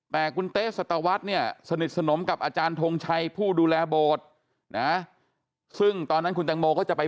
แต่คุณเต๊สัตวรรษเนี่ยสนิทสนมกับอาจารย์ทงชัยผู้ดูแลโบสถ์นะซึ่งตอนนั้นคุณแตงโมก็จะไป